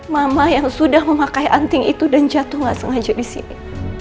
mama yang sudah memakai anting itu dan jatuh gak sengaja di sini